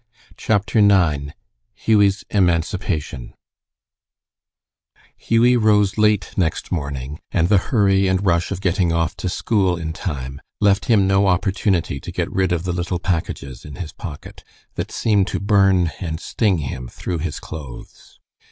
CHAPTER IX HUGHIE'S EMANCIPATION Hughie rose late next morning, and the hurry and rush of getting off to school in time left him no opportunity to get rid of the little packages in his pocket, that seemed to burn and sting him through his clothes.